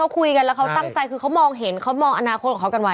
คุยกันแล้วเขาตั้งใจคือเขามองเห็นเขามองอนาคตของเขากันไว้